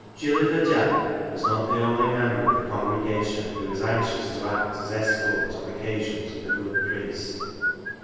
Gillyf er Jack was not the only member of the con gregation who was anxious to act as escort on occasion to the good priest.